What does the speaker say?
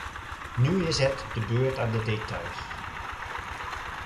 Nu is het de beurt aan de details.